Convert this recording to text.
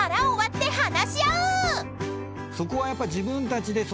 そこはやっぱ。